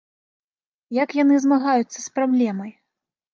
Як яны змагаюцца з праблемай?